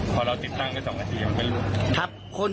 พอเราติดตั้งนั้นก็ล่วน